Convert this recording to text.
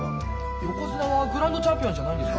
横綱はグランドチャンピオンじゃないんですか。